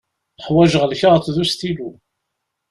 Ḥwaǧeɣ lkaɣeḍ d ustilu.